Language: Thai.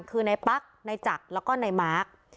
คือในปั๊กในจักรแล้วก็นายมาร์ค